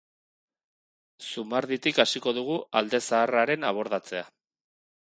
Zumarditik hasiko dugu alde zaharraren abordatzea.